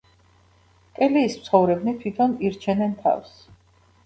კელიის მცხოვრებნი თვითონ ირჩენენ თავს.